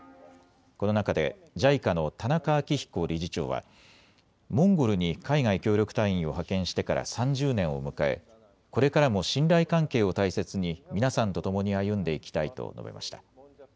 この中でＪＩＣＡの田中明彦理事長はモンゴルに海外協力隊員を派遣してから３０年を迎えこれからも信頼関係を大切に皆さんとともに歩んでいきたいと述べました。